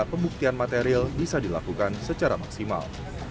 pembuktian material bisa dilakukan secara maksimal